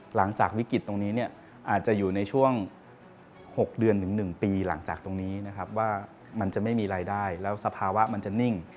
หลังจากวิกฤตตรงนี้เนี่ยอาจจะอยู่ในช่วง๖เดือนถึง๑ปีหลังจากตรงนี้นะครับว่ามันจะไม่มีรายได้แล้วสภาวะมันจะนิ่ง